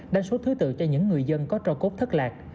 đa số thứ tự cho những người dân có cho cốt thất lạc